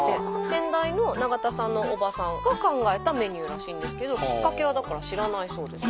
先代の永田さんの叔母さんが考えたメニューらしいんですけどきっかけはだから知らないそうです。